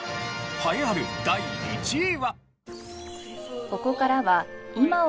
栄えある第１位は？